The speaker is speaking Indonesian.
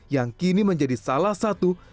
yang kini menjadi salah satu